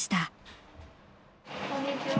こんにちは。